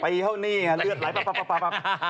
ไปเท่านี้เลือดไหลปั๊บ